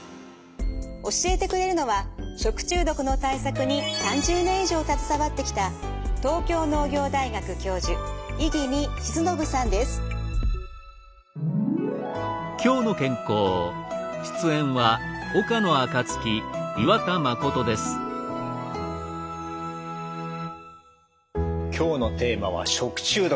教えてくれるのは食中毒の対策に３０年以上携わってきた今日のテーマは食中毒。